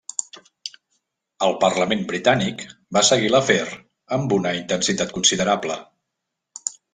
El Parlament britànic va seguir l'afer amb una intensitat considerable.